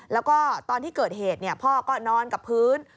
แล้วก็ตอนที่เกิดเหตุพ่อก็นอนกับพื้น